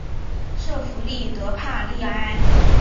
圣费利德帕利埃。